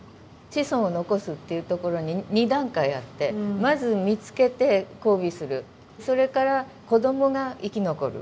子孫を残すっていうところに２段階あってまず見つけて交尾するそれから子どもが生き残る。